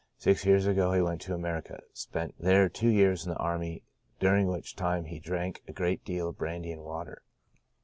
Six years ago he went to America, and spent there two years in the army, during which time he drank a great deal of brandy and water.